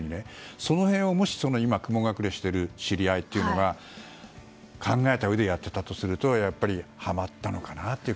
その辺を今、雲隠れしている知り合いというのが考えたうえでやっていたとするとやっぱり、はまったのかな